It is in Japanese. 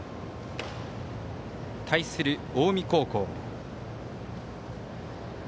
対する近江高校。